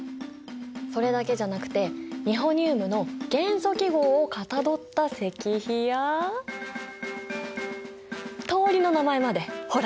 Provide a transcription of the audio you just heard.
それだけじゃなくてニホニウムの元素記号をかたどった石碑や通りの名前までほら！